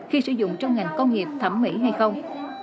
khi sử dụng trong ngành công nghiệp thẩm mỹ hay không